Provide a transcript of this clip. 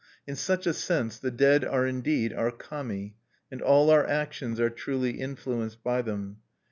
In such a sense the dead are indeed our Kami and all our actions are truly influenced by them.